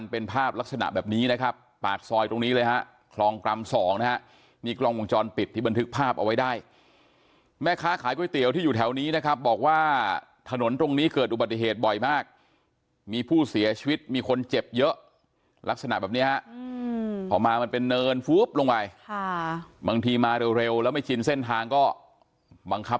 เป็นภาพลักษณะแบบนี้นะครับปากซอยตรงนี้เลยฮะคลองกรัมสองนะฮะนี่กล้องวงจรปิดที่บันทึกภาพเอาไว้ได้แม่ค้าขายก๋วยเตี๋ยวที่อยู่แถวนี้นะครับบอกว่าถนนตรงนี้เกิดอุบัติเหตุบ่อยมากมีผู้เสียชีวิตมีคนเจ็บเยอะลักษณะแบบนี้ฮะพอมามันเป็นเนินฟุ๊บลงไปค่ะบางทีมาเร็วแล้วไม่ชินเส้นทางก็บังคับ